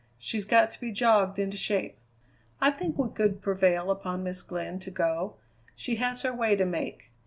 She's got to be jogged into shape." "I think we could prevail upon Miss Glynn to go. She has her way to make.